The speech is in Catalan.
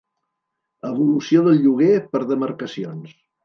Evolució del lloguer per demarcacions.